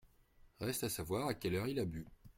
Reste à savoir à quelle heure il a bu.